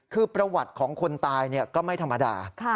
คือประวัติของคนตายก็ไม่ธรรมดา